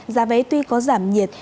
giá vé tuy có giảm nhiệt